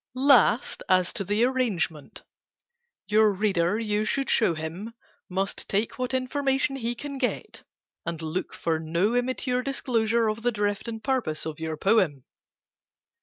"Last, as to the arrangement: Your reader, you should show him, Must take what information he Can get, and look for no im mature disclosure of the drift And purpose of your poem.